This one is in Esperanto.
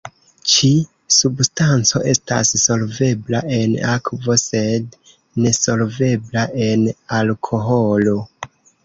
Ĉi-substanco estas solvebla en akvo sed nesolvebla en alkoholo.